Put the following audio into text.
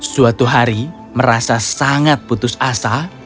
suatu hari merasa sangat putus asa